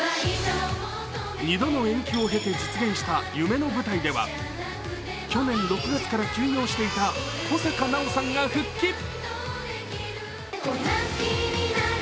２度の延期を経て実現した夢の舞台では去年６月から休業していた小坂菜緒さんが復帰。